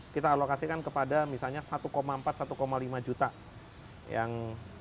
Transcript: kita alokasikan kepada misalnya satu empat satu lima juta yang